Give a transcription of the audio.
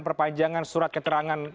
perpanjangan surat keterangan